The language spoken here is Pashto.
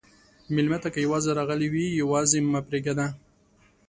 مېلمه ته که یواځې راغلی وي، یواځې مه پرېږده.